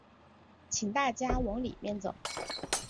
请大家往里面走